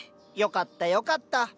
よかったよかった。